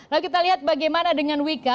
lalu kita lihat bagaimana dengan wika